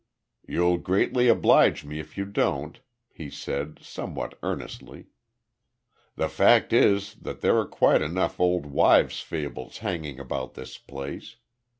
"You'll greatly oblige me if you don't," he said, somewhat earnestly. "The fact is that there are quite enough `old wives' fables' hanging about this place.